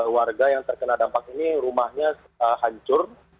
warga yang terkena dampak ini rumahnya hancur